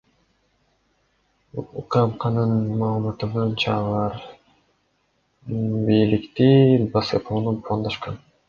УКМКнын маалыматы боюнча, алар бийликти басып алууну пландашкан.